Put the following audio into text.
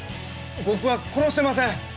僕は殺してません！